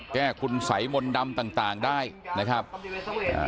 แก้คุณสัยมนต์ดำต่างต่างได้นะครับอ่า